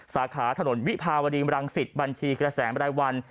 สาขาถนนวิภาวรีมรังศิษย์บัญชีครัศแสงบรรยาวัน